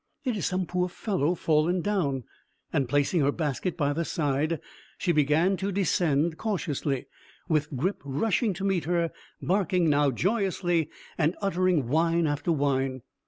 "It is some poor fellow fallen down;" and, placing her basket by the side, she began to descend cautiously, with Grip rushing to meet her, barking now joyously, and uttering whine after whine.